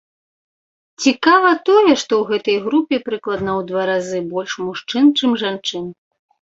Цікава тое, што ў гэтай групе прыкладна ў два разы больш мужчын, чым жанчын.